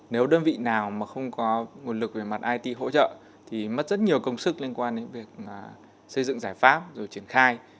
nếu đơn vị nào mà không có nguồn lực về mặt it hỗ trợ thì mất rất nhiều công sức liên quan đến việc xây dựng giải pháp rồi triển khai